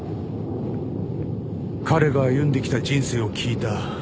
彼が歩んできた人生を聞いた。